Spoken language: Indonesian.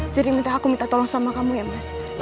jadi aku minta tolong sama kamu ya mas